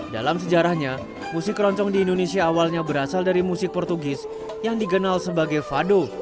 dalam sejarahnya musik keroncong di indonesia awalnya berasal dari musik portugis yang dikenal sebagai fado